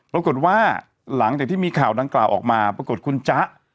ปรากฏว่าหลังจากที่มีข่าวดังกล่าวออกมาปรากฏคุณจ๊ะ